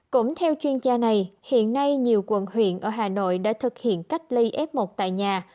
cũng theo chuyên gia này hiện nay nhiều quận huyện ở hà nội đã thực hiện cách ly f một tại nhà